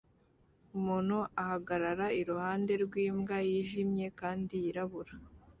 Umuntu ahagarara iruhande rwimbwa yijimye kandi yirabura